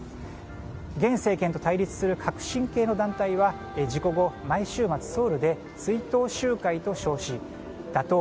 現政権と対立する革新系の団体は事故後、毎週末ソウルで追悼集会と称し打倒